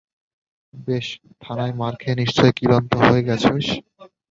বেশ, থানায় মার খেয়ে নিশ্চয়ই ক্লান্ত হয়ে গেছিস।